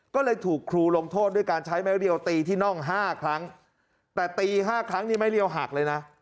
ก็เลยถูกครูลงโทษด้วยการใช้ไม้เรียวตีที่น่องห้าครั้งแต่ตี๕ครั้งนี้ไม้เรียวหักเลยนะ